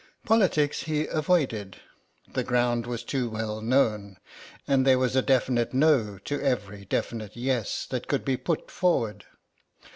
Politics he avoided; the ground was too well known, and there was a definite no to every definite yes that could be put forward.